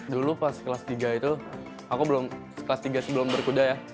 dulu pas kelas tiga itu aku belum kelas tiga sebelum berkuda ya